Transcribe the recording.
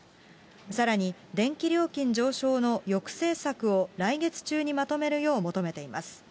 さらに、電気料金上昇の抑制策を来月中にまとめるよう求めています。